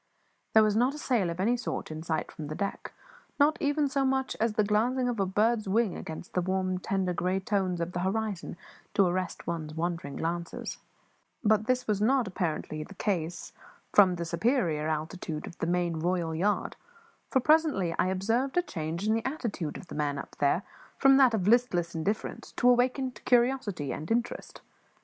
There was not a sail of any sort in sight from the deck, not even so much as the glancing of a bird's wing against the warm, tender, grey tones of the horizon to arrest one's wandering glances; but this was apparently not the case from the superior altitude of the main royal yard, for presently I observed a change in the attitude of the man up there from that of listless indifference to awakened curiosity and interest.